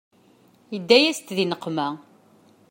Yedda-yasent di nneqma.